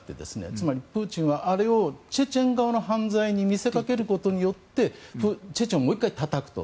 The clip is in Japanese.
つまり、プーチンはあれをチェチェン側の犯罪に見せかけることによってチェチェンをもう一回たたくと。